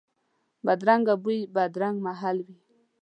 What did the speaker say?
بدرنګ بوی، بدرنګ محل وي